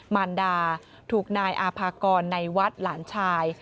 มารดาถูกนายอาภากรในวัดหลานชาย